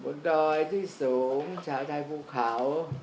บุรดดอยที่สูงชาวไทยผู้เข่า